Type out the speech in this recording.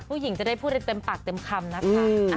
ผู้หญิงจะได้พูดได้เต็มปากเต็มคำนะคะ